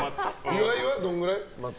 岩井はどれくらい？